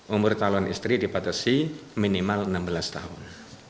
umur calon istri dipatasi minimal enam belas tahun